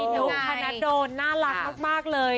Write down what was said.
นุ๊กฮะนะโดนน่ารักมากเลย